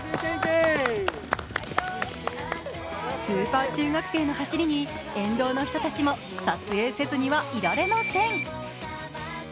スーパー中学生の走りに沿道の人たちも撮影せずにはいられません。